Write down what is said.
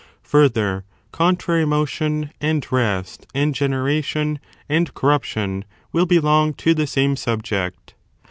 Further, contrary motion, and rest, a^d generation, and corruptioi;; fi^^l'SonT will belong to the same subject.